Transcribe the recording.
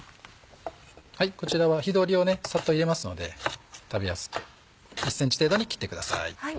こちらは火通りをサッと入れますので食べやすく１ｃｍ程度に切ってください。